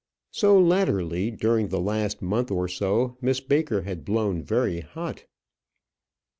So latterly, during the last month or so, Miss Baker had blown very hot.